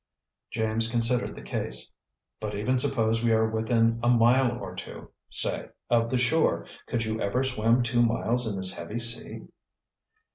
James considered the case. "But even suppose we are within a mile or two, say, of the shore, could you ever swim two miles in this heavy sea?"